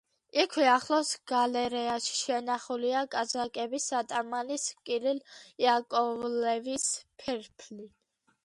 იქვე, ახლოს, გალერეაში შენახულია კაზაკების ატამანის კირილ იაკოვლევის ფერფლი.